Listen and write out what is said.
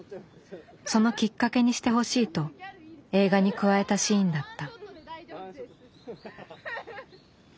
そのきっかけにしてほしいと映画に加えたシーンだった。